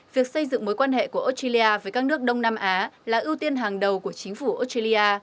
việc xây dựng mối quan hệ của australia với các nước đông nam á là ưu tiên hàng đầu của chính phủ australia